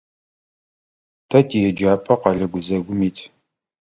Тэ тиеджапӀэ къэлэ гузэгум ит.